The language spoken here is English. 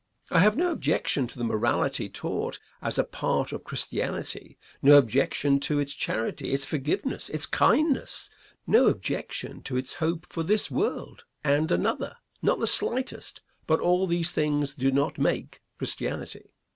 I have no objection to the morality taught as a part of Christianity, no objection to its charity, its forgiveness, its kindness; no objection to its hope for this world and another, not the slightest, but all these things do not make Christianity.